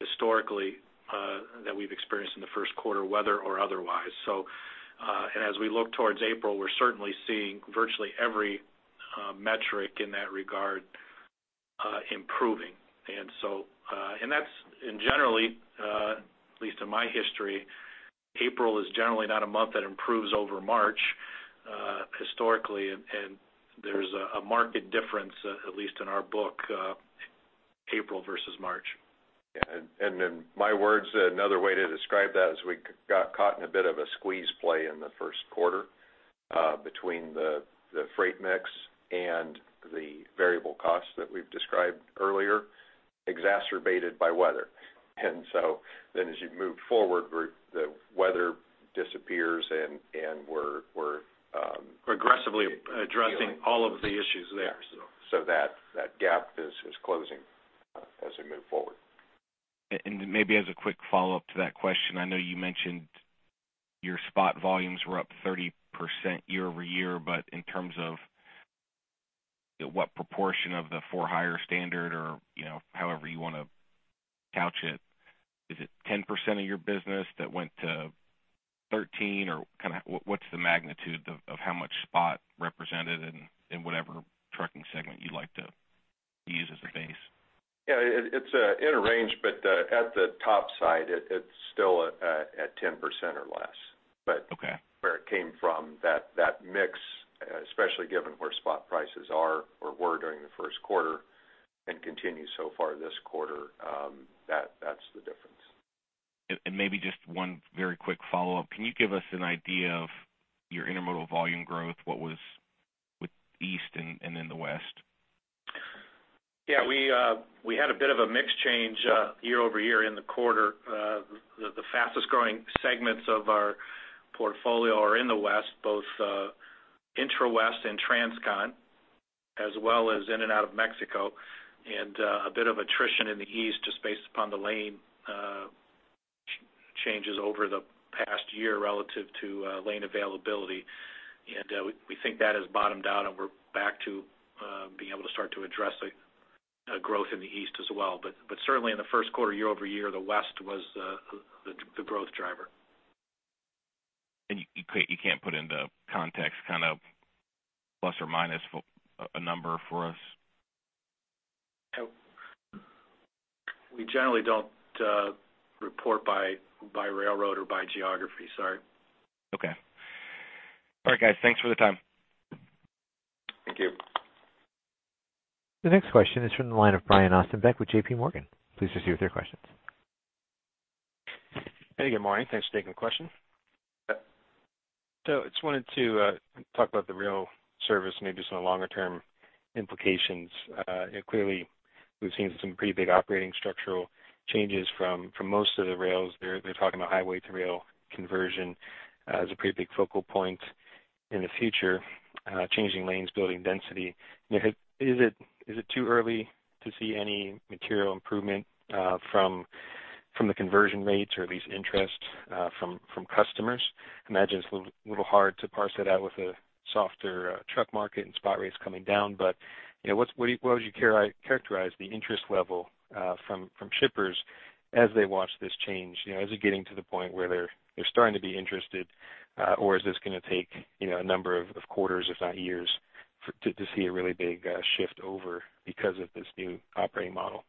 Speaker 3: historically that we've experienced in the first quarter, weather or otherwise. So, and as we look towards April, we're certainly seeing virtually every metric in that regard improving. And so, and that's, and generally, at least in my history, April is generally not a month that improves over March, historically, and there's a market difference, at least in our book, April versus March.
Speaker 4: Yeah, and in my words, another way to describe that is we got caught in a bit of a squeeze play in the first quarter, between the freight mix and the variable costs that we've described earlier, exacerbated by weather. And so then as you move forward, the weather disappears, and we're aggressively aggressively addressing all of the issues there, so. So that gap is closing as we move forward.
Speaker 13: Maybe as a quick follow-up to that question, I know you mentioned your spot volumes were up 30% year-over-year, but in terms of what proportion of the for-hire standard or, you know, however you want to couch it, is it 10% of your business that went to 13? Or kind of what, what's the magnitude of how much spot represented in whatever trucking segment you'd like to use as a base?
Speaker 4: Yeah, it's in a range, but at the top side, it's still at 10% or less.
Speaker 13: Okay.
Speaker 4: But where it came from, that mix, especially given where spot prices are or were during the first quarter and continue so far this quarter, that's the difference.
Speaker 13: And maybe just one very quick follow-up. Can you give us an idea of your intermodal volume growth? What was with East and then the West?
Speaker 3: Yeah, we had a bit of a mix change year-over-year in the quarter. The fastest growing segments of our portfolio are in the West, both intra-West and transcon, as well as in and out of Mexico, and a bit of attrition in the East, just based upon the lane changes over the past year relative to lane availability. We think that has bottomed out, and we're back to being able to start to address a growth in the East as well. But certainly in the first quarter, year-over-year, the West was the growth driver.
Speaker 13: You can't put in the context, kind of plus or minus for a number for us?
Speaker 3: No. We generally don't report by railroad or by geography. Sorry.
Speaker 13: Okay. All right, guys, thanks for the time.
Speaker 4: Thank you.
Speaker 1: The next question is from the line of Brian Ossenbeck with J.P. Morgan. Please proceed with your questions.
Speaker 14: Hey, good morning. Thanks for taking the question. So I just wanted to talk about the rail service, maybe some longer-term implications. You know, clearly, we've seen some pretty big operating structural changes from most of the rails. They're talking about highway to rail conversion as a pretty big focal point in the future, changing lanes, building density. You know, is it too early to see any material improvement from the conversion rates or at least interest from customers? I imagine it's a little hard to parse that out with a softer truck market and spot rates coming down. But, you know, what would you characterize the interest level from shippers as they watch this change? You know, is it getting to the point where they're starting to be interested, or is this gonna take, you know, a number of quarters, if not years, to see a really big shift over because of this new operating model?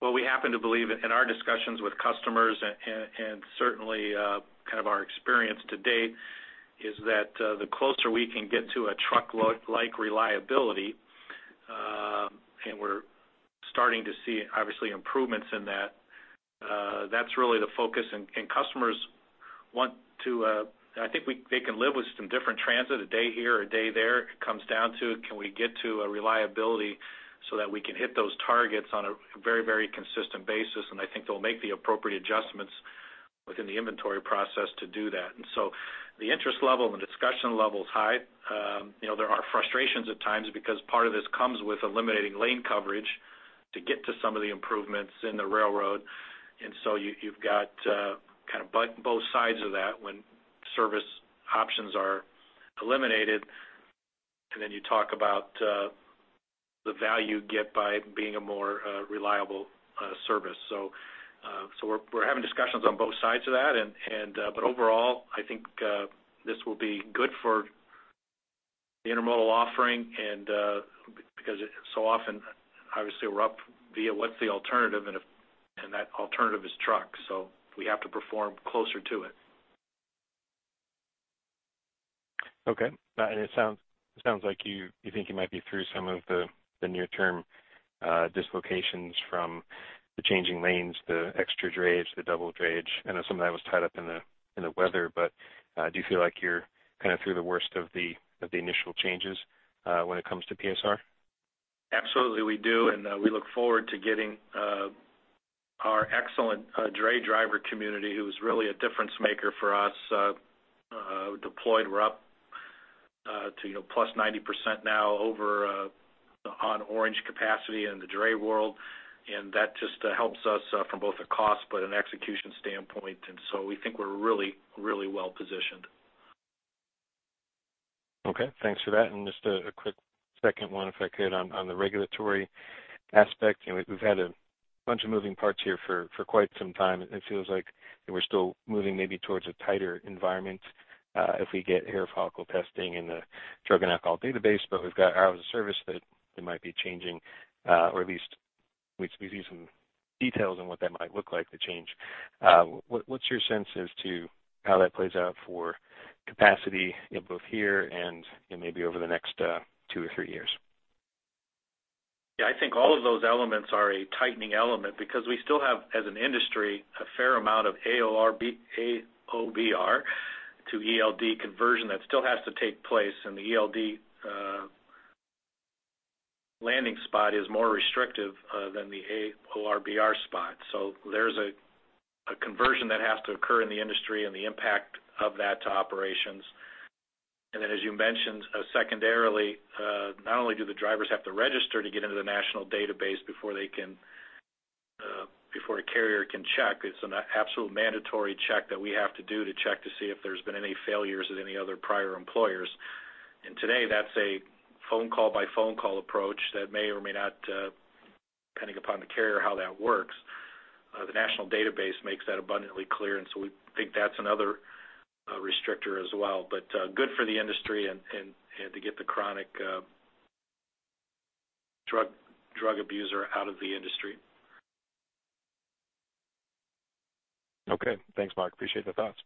Speaker 3: Well, we happen to believe in our discussions with customers and certainly kind of our experience to date is that the closer we can get to a truckload-like reliability and we're starting to see, obviously, improvements in that, that's really the focus. And customers want to... I think they can live with some different transit, a day here, a day there. It comes down to can we get to a reliability so that we can hit those targets on a very, very consistent basis, and I think they'll make the appropriate adjustments within the inventory process to do that. And so the interest level and the discussion level is high. You know, there are frustrations at times because part of this comes with eliminating lane coverage to get to some of the improvements in the railroad. And so you've got kind of both sides of that when service options are eliminated, and then you talk about the value you get by being a more reliable service. So we're having discussions on both sides of that. But overall, I think this will be good for the Intermodal offering, and because so often, obviously, we're up against what's the alternative, and if that alternative is truck, so we have to perform closer to it.
Speaker 14: Okay. And it sounds like you think you might be through some of the near-term dislocations from the changing lanes, the extra drayage, the double drayage. I know some of that was tied up in the weather. But do you feel like you're kind of through the worst of the initial changes when it comes to PSR?
Speaker 3: Absolutely, we do, and we look forward to getting our excellent dray driver community, who is really a difference maker for us, deployed. We're up to, you know, plus 90% now over on orange capacity in the dray world, and that just helps us from both a cost but an execution standpoint, and so we think we're really, really well positioned.
Speaker 14: Okay, thanks for that. And just a quick second one, if I could, on the regulatory aspect. You know, we've had a bunch of moving parts here for quite some time, and it feels like that we're still moving maybe towards a tighter environment, if we get hair follicle testing and the drug and alcohol database, but we've got hours of service that it might be changing, or at least we see some details on what that might look like to change. What's your sense as to how that plays out for capacity, you know, both here and maybe over the next two or three years?...
Speaker 3: Yeah, I think all of those elements are a tightening element because we still have, as an industry, a fair amount of AOBR to ELD conversion that still has to take place, and the ELD landing spot is more restrictive than the AOBR spot. So there's a conversion that has to occur in the industry and the impact of that to operations. And then, as you mentioned, secondarily, not only do the drivers have to register to get into the national database before they can, before a carrier can check, it's an absolute mandatory check that we have to do to check to see if there's been any failures at any other prior employers. And today, that's a phone call by phone call approach that may or may not, depending upon the carrier, how that works. The national database makes that abundantly clear, and so we think that's another restrictor as well, but good for the industry and to get the chronic drug abuser out of the industry.
Speaker 14: Okay. Thanks, Mark. Appreciate the thoughts.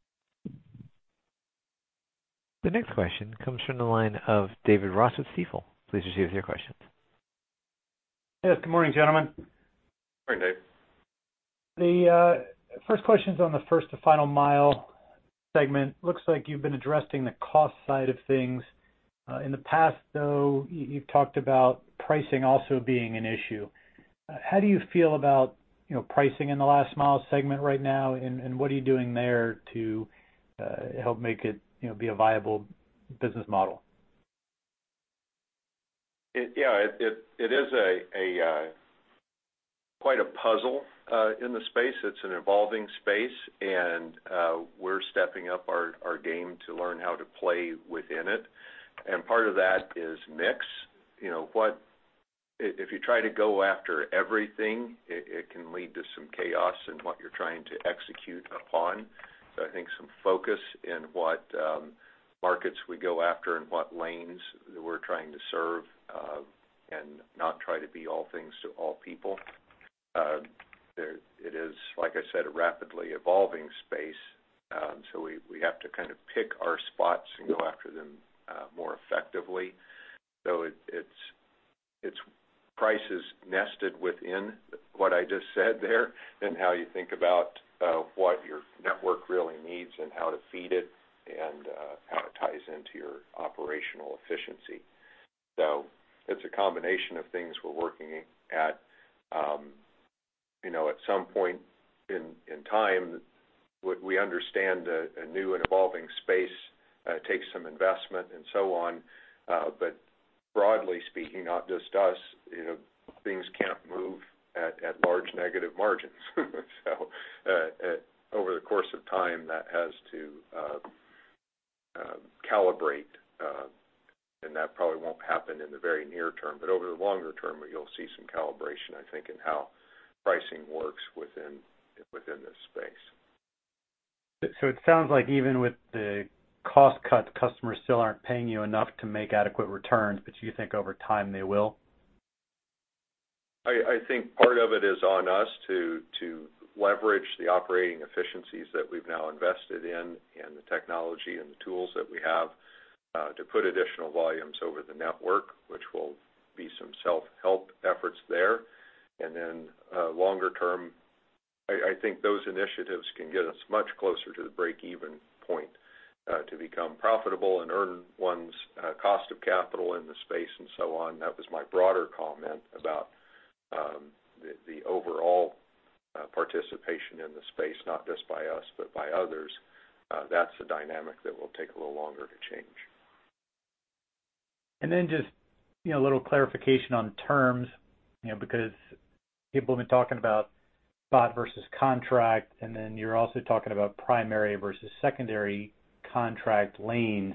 Speaker 1: The next question comes from the line of David Ross with Stifel. Please proceed with your questions.
Speaker 15: Yes, good morning, gentlemen.
Speaker 4: Morning, Dave.
Speaker 15: The first question is on the First to Final Mile segment. Looks like you've been addressing the cost side of things. In the past, though, you've talked about pricing also being an issue. How do you feel about, you know, pricing in the last-mile segment right now, and what are you doing there to help make it, you know, be a viable business model?
Speaker 4: Yeah, it is quite a puzzle in the space. It's an evolving space, and we're stepping up our game to learn how to play within it. And part of that is mix. You know, if you try to go after everything, it can lead to some chaos in what you're trying to execute upon. So I think some focus in what markets we go after and what lanes that we're trying to serve, and not try to be all things to all people. It is, like I said, a rapidly evolving space, so we have to kind of pick our spots and go after them more effectively. So it's prices nested within what I just said there, and how you think about what your network really needs and how to feed it and how it ties into your operational efficiency. So it's a combination of things we're working at. You know, at some point in time, what we understand, a new and evolving space takes some investment and so on. But broadly speaking, not just us, you know, things can't move at large negative margins. So over the course of time, that has to calibrate, and that probably won't happen in the very near term. But over the longer term, you'll see some calibration, I think, in how pricing works within this space.
Speaker 15: So it sounds like even with the cost cuts, customers still aren't paying you enough to make adequate returns, but you think over time, they will?
Speaker 4: I think part of it is on us to leverage the operating efficiencies that we've now invested in, and the technology and the tools that we have, to put additional volumes over the network, which will be some self-help efforts there. And then, longer term, I think those initiatives can get us much closer to the break-even point, to become profitable and earn one's cost of capital in the space and so on. That was my broader comment about the overall participation in the space, not just by us, but by others. That's the dynamic that will take a little longer to change.
Speaker 15: And then just, you know, a little clarification on terms, you know, because people have been talking about spot versus contract, and then you're also talking about primary versus secondary contract lanes.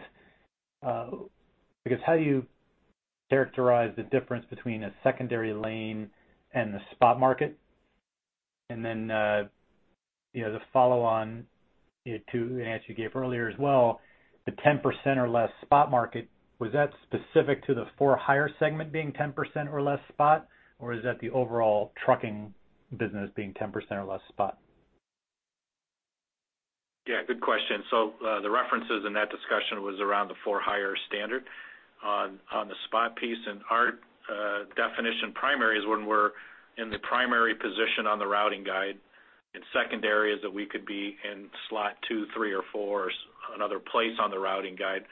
Speaker 15: Because how do you characterize the difference between a secondary lane and the spot market? And then, you know, the follow-on to an answer you gave earlier as well, the 10% or less spot market, was that specific to the for-hire segment being 10% or less spot, or is that the overall trucking business being 10% or less spot?
Speaker 3: Yeah, good question. So, the references in that discussion was around the for-hire standard. On the spot piece and our definition, primary is when we're in the primary position on the routing guide, and secondary is that we could be in slot 2, 3, or 4, or another place on the routing guide,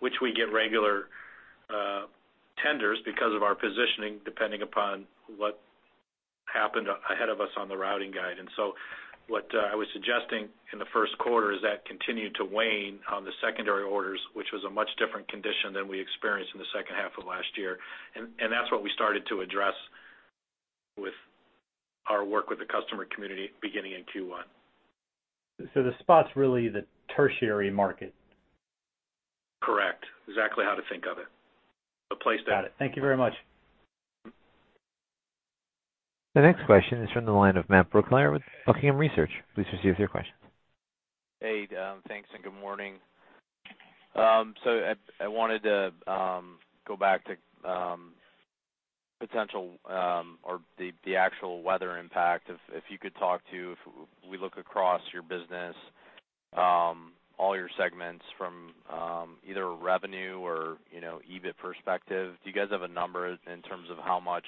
Speaker 3: which we get regular tenders because of our positioning, depending upon what happened ahead of us on the routing guide. And so what I was suggesting in the first quarter is that continued to wane on the secondary orders, which was a much different condition than we experienced in the second half of last year. And that's what we started to address with our work with the customer community, beginning in Q1.
Speaker 15: The spot's really the tertiary market?
Speaker 3: Correct. Exactly how to think of it, the place that-
Speaker 16: Got it. Thank you very much.
Speaker 1: The next question is from the line of Matt Brooklier with Buckingham Research. Please proceed with your question.
Speaker 16: Hey, thanks, and good morning. So I wanted to go back to potential or the actual weather impact. If you could talk to, if we look across your business, all your segments from either revenue or, you know, EBIT perspective, do you guys have a number in terms of how much,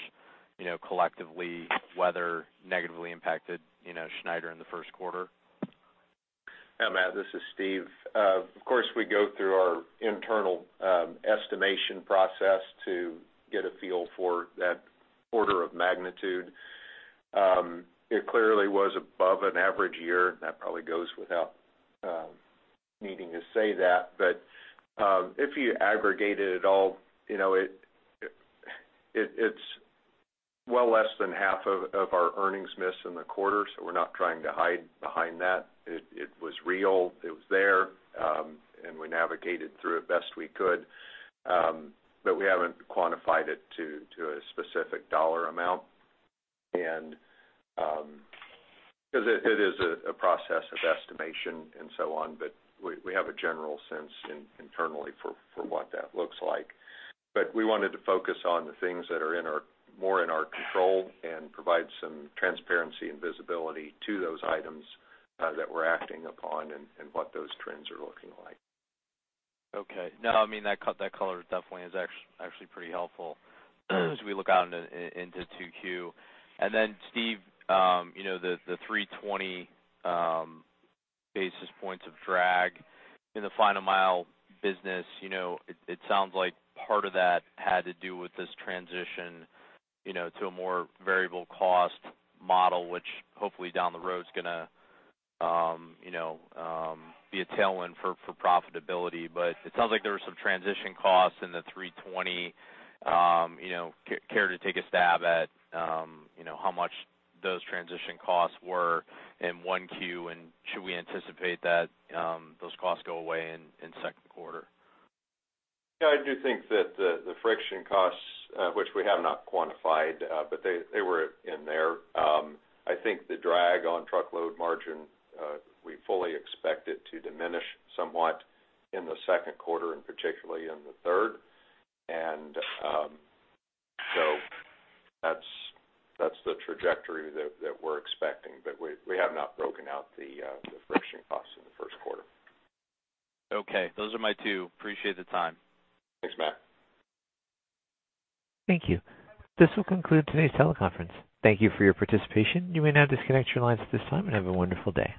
Speaker 16: you know, collectively, weather negatively impacted, you know, Schneider in the first quarter?
Speaker 4: Yeah, Matt, this is Steve. Of course, we go through our internal estimation process to get a feel for that order of magnitude. It clearly was above an average year, and that probably goes without needing to say that. But if you aggregate it at all, you know, it's well less than half of our earnings miss in the quarter, so we're not trying to hide behind that. It was real, it was there, and we navigated through it best we could. But we haven't quantified it to a specific dollar amount. And 'cause it is a process of estimation and so on, but we have a general sense internally for what that looks like. But we wanted to focus on the things that are more in our control and provide some transparency and visibility to those items, that we're acting upon and, and what those trends are looking like.
Speaker 16: Okay. No, I mean, that cut, that color definitely is actually pretty helpful as we look out into Q2. And then, Steve, you know, the 320 basis points of drag in the final mile business, you know, it sounds like part of that had to do with this transition, you know, to a more variable cost model, which hopefully down the road is gonna be a tailwind for profitability. But it sounds like there were some transition costs in the 320. You know, care to take a stab at, you know, how much those transition costs were in Q1, and should we anticipate that those costs go away in second quarter?
Speaker 4: Yeah, I do think that the friction costs, which we have not quantified, but they were in there. I think the drag on truckload margin, we fully expect it to diminish somewhat in the second quarter and particularly in the third. And, so that's the trajectory that we're expecting, but we have not broken out the friction costs in the first quarter.
Speaker 16: Okay, those are my two. Appreciate the time.
Speaker 4: Thanks, Matt.
Speaker 1: Thank you. This will conclude today's teleconference. Thank you for your participation. You may now disconnect your lines at this time, and have a wonderful day.